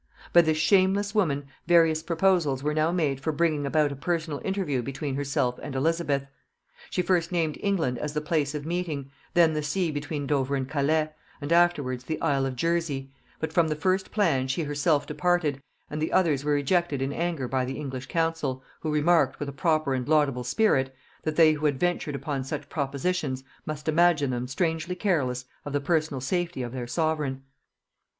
By this shameless woman various proposals were now made for bringing about a personal interview between herself and Elizabeth. She first named England as the place of meeting, then the sea between Dover and Calais, and afterwards the isle of Jersey; but from the first plan she herself departed, and the others were rejected in anger by the English council, who remarked, with a proper and laudable spirit, that they who had ventured upon such propositions must imagine them strangely careless of the personal safety of their sovereign.